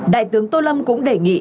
đại tượng thủ tướng tô lâm cũng đề nghị